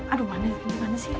aduh mana sih